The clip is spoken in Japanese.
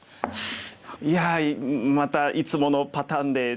いやまたいつものパターンでというか。